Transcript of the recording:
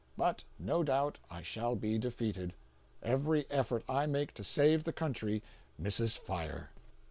But no doubt I shall be defeated—every effort I make to save the country "misses fire."